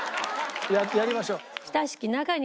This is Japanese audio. やりましょう。